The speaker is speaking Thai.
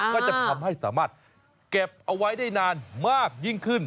ก็จะทำให้สามารถเก็บเอาไว้ได้นานมากยิ่งขึ้น